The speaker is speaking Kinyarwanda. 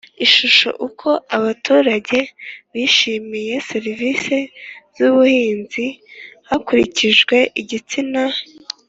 Ishusho Uko abaturage bishimiye serivisi z ubuhinzi hakurikijwe igitsina